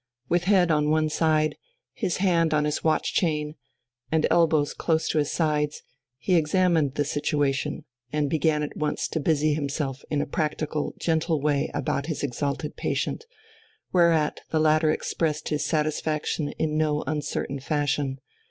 With head on one side, his hand on his watch chain, and elbows close to his sides, he examined the situation, and began at once to busy himself in a practical, gentle way about his exalted patient, whereat the latter expressed his satisfaction in no uncertain fashion.